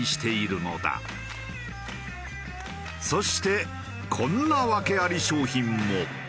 そしてこんな訳あり商品も。